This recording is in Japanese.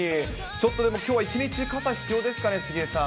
ちょっと、でも、きょう一日、傘、必要ですかね、杉江さん。